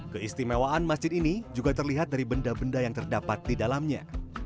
keistimewaan masjid ini juga terlihat dari benda benda yang terdapat di dalamnya